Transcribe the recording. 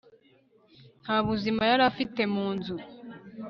nta buzima yari afite mu nzu